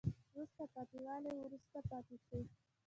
وروسته پاتې والی وروسته پاتې شوه